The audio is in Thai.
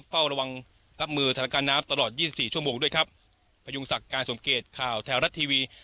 เฝ้าระวังรับมือสถานการณ์น้ำตลอดยี่สิบสี่ชั่วโมงด้วยครับพยุงศักดิ์การสมเกตข่าวแถวรัฐทีวี